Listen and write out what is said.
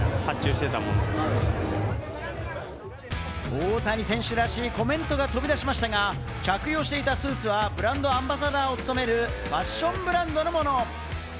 大谷選手らしいコメントが飛び出しましたが、着用していたスーツはブランドアンバサダーを務めるファッションブランドのもの。